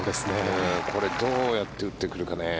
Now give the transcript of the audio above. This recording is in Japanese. これどうやって打ってくるかね。